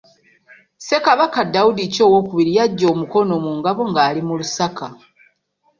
Ssekabaka Daudi Chwa II yaggya omukono mu ngabo ng'ali mu Lusaka.